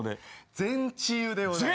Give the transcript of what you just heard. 全治癒でございます。